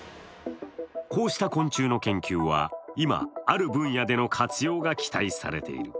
こうした昆虫の研究は今、ある分野への活用が期待されている。